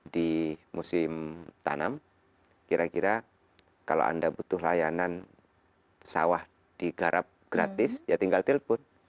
di musim tanam kira kira kalau anda butuh layanan sawah digarap gratis ya tinggal telepon